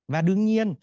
và đương nhiên